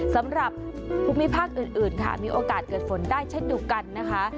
สำหรับภูมิภาคอื่นค่ะมีโอกาสเกิดฝนได้เช่นเดียวกันนะคะ